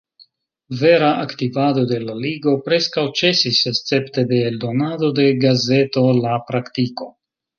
Vera aktivado de la Ligo preskaŭ ĉesis, escepte de eldonado de gazeto La Praktiko.